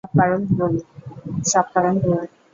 সব কারন ভুল।